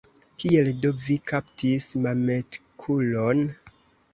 Kiel do vi kaptis Mametkulon?